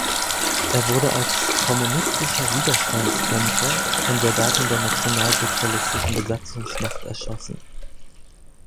Er wurde als „kommunistischer Widerstandskämpfer“ von Soldaten der nationalsozialistischen Besatzungsmacht erschossen.